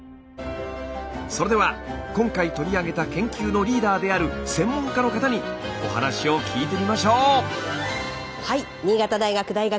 それでは今回取り上げた研究のリーダーである専門家の方にお話を聞いてみましょう。